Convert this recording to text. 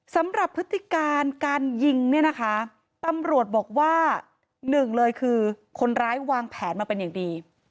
พฤติการการยิงเนี่ยนะคะตำรวจบอกว่าหนึ่งเลยคือคนร้ายวางแผนมาเป็นอย่างดี